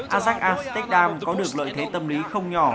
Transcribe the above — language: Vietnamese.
ajax amsterdam có được lợi thế tâm lý không nhỏ